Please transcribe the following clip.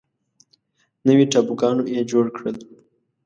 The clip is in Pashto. نوي ټاپوګانو یې جوړ کړل.